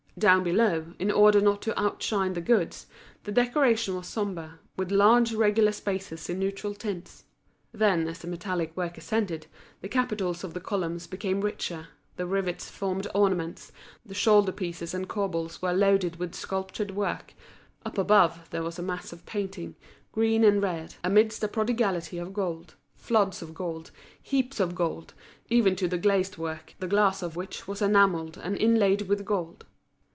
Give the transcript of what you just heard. Down below, in order not to outshine the goods, the decoration was sober, with large regular spaces in neutral tints; then as the metallic work ascended, the capitals of the columns became richer, the rivets formed ornaments, the shoulder pieces and corbels were loaded with sculptured work; up above, there was a mass of painting, green and red, amidst a prodigality of gold, floods of gold, heaps of gold, even to the glazed work, the glass of which was enamelled and inlaid with gold.